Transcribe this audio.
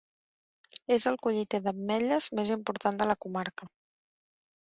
És el colliter d'ametlles més important de la comarca.